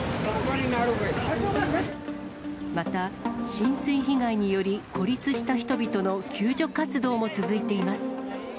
また、浸水被害により、孤立した人々の救助活動も続いています。